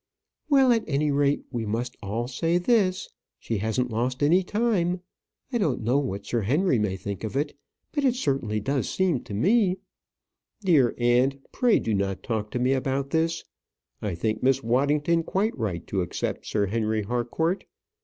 "Well, at any rate, we must all say this: she hasn't lost any time. I don't know what Sir Henry may think of it; but it certainly does seem to me " "Dear aunt, pray do not talk to me about this. I think Miss Waddington quite right to accept Sir Henry Harcourt.